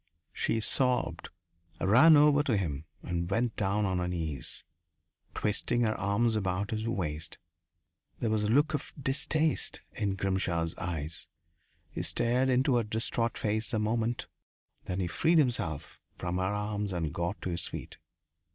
She sobbed, ran over to him, and went down on her knees, twisting her arms about his waist. There was a look of distaste in Grimshaw's eyes; he stared into her distraught face a moment, then he freed himself from her arms and got to his feet.